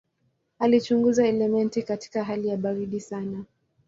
Alichunguza elementi katika hali ya baridi sana.